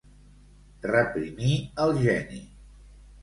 Reprimir el geni.